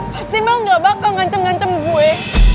pasti mel gak bakal ngancam ngancam gue